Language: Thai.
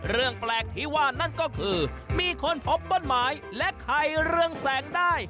เรื่องแปลกที่ว่านั่นก็คือมีคนพบต้นไม้และไข่เรืองแสงได้